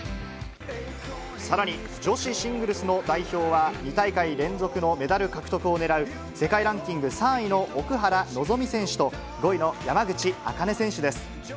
さらに、女子シングルスの代表は２大会連続のメダル獲得を狙う、世界ランキング３位の奥原希望選手と、５位の山口茜選手です。